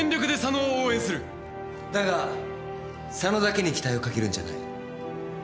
だが佐野だけに期待をかけるんじゃない。